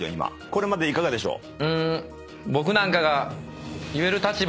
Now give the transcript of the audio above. これまでいかがでしょう？